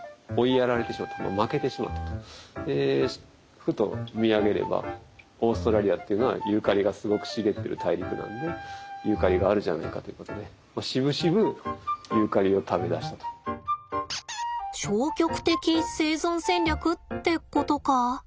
ふと見上げればオーストラリアっていうのはユーカリがすごく茂っている大陸なのでユーカリがあるじゃないかということで消極的生存戦略ってことか？